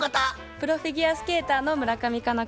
プロフィギュアスケーターの村上佳菜子です。